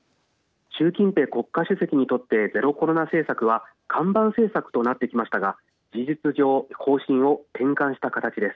習近平国家主席にとってゼロコロナ政策は看板政策となってきましたが事実上方針を転換した形です。